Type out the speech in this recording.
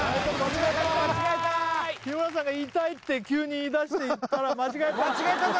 日村さんが言いたいって急に言い出して言ったら間違えた間違えたぞ！